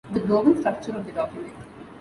The global structure of the document.